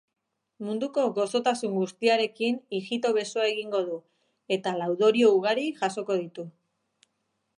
Munduko gozotasun guztiarekin ijito-besoa egingo du, eta laudorio ugari jasoko ditu.